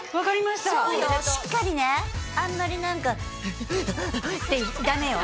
しっかりねあんまり何かヘヘヘってダメよ